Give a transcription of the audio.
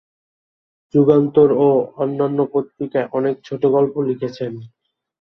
যুগান্তর ও অন্যান্য পত্রিকায় অনেক ছোটগল্প লিখেছেন।